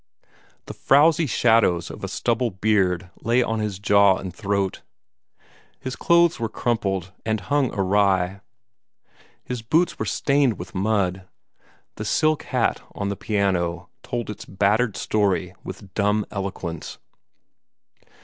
The frowsy shadows of a stubble beard lay on his jaw and throat. His clothes were crumpled and hung awry; his boots were stained with mud. The silk hat on the piano told its battered story with dumb eloquence.